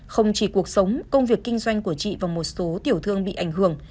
không chỉ cuộc sống công việc kinh doanh của chị và một số tiểu thương bị ảnh hưởng